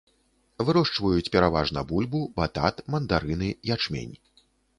Вырошчваюць пераважна бульбу, батат, мандарыны, ячмень.